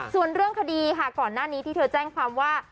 ส่วนเรื่องคดีค่ะก่อนหน้านี้ที่เธอแจ้งความว่า